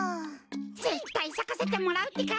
ぜったいさかせてもらうってか。